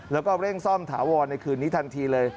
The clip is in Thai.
แล้วก็เร่งซ่อมถาวรในคืนนี้ทันทีเลย